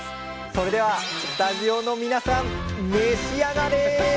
それではスタジオの皆さん召し上がれ！